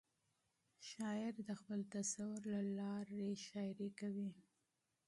شاعر د تخیل له لارې متن جوړوي.